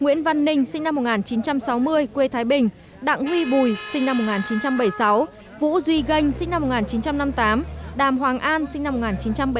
nguyễn văn ninh sinh năm một nghìn chín trăm sáu mươi quê thái bình đặng huy bùi sinh năm một nghìn chín trăm bảy mươi sáu vũ duy ganh sinh năm một nghìn chín trăm năm mươi tám đàm hoàng an sinh năm một nghìn chín trăm bảy mươi bảy